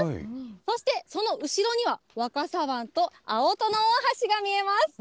そして、その後ろには若狭湾とあおとの大橋が見えます。